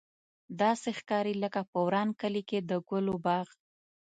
داسې ښکاري لکه په وران کلي کې د ګلو باغ.